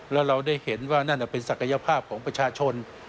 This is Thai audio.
แล้วเราได้เห็นว่านั่นเป็นศักยภาพของประชาชน